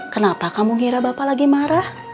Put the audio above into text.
kenapa kamu ngira bapak lagi marah